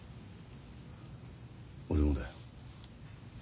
俺もだよ。